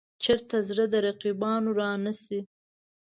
چېرته زړه د رقیبانو را نه شي.